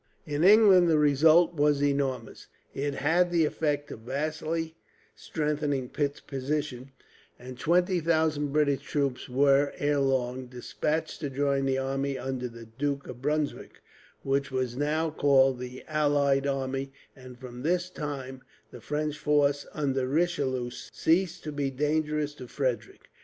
In England the result was enormous. It had the effect of vastly strengthening Pitt's position, and twenty thousand British troops were, ere long, despatched to join the army under the Duke of Brunswick, which was now called the allied army, and from this time the French force under Richelieu ceased to be dangerous to Frederick.